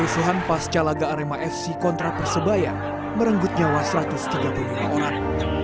rusuhan pas calaga arema fc kontra persebayang merenggut nyawa satu ratus tiga puluh lima orang